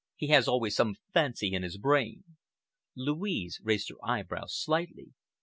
He has always some fancy in his brain." Louise raised her eyebrows slightly.